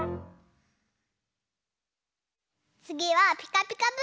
つぎは「ピカピカブ！」。